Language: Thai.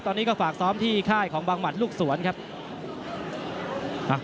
ตอนนี้ก็ฝากซ้อมที่ค่ายของบังหมัดลูกสวนครับ